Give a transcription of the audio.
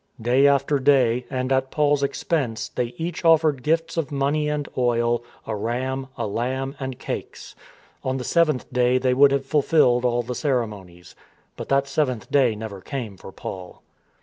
Day after day, and at Paul's expense, they each offered gifts of money and oil, a ram, a lamb, and cakes. On the seventh day they would have fulfilled all the ceremonies. But that seventh day never came for Paul.